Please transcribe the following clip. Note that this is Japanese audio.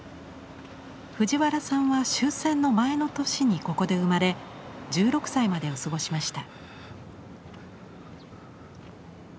藤原さんは終戦の前の年にここで生まれ１６歳までを過ごしました。